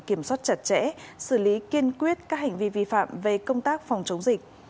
kiểm soát chặt chẽ xử lý kiên quyết các hành vi vi phạm về công tác phòng chống dịch